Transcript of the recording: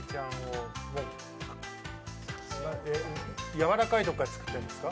やわらかいところから作っていくんですか。